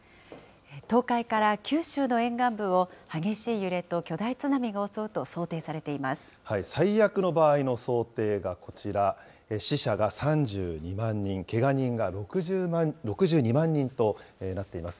東海から九州の沿岸部を激しい揺れと巨大津波が襲うと想定されて最悪の場合の想定はこちら、死者が３２万人、けが人が６２万人となっています。